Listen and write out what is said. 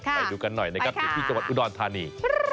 ไปดูกันหน่อยในกลับให้ที่สวรรค์อุดรธานี